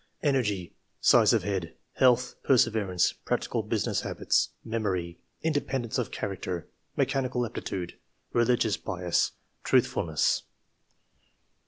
Energy — Size of Head — Health — Perseverance — Practical Business Habits — Memory — Independence of Cliaracter — Mechanical Aptitude — Eeligious Bias — Truthfulness.